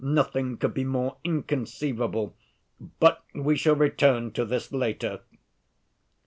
Nothing could be more inconceivable. But we shall return to that later."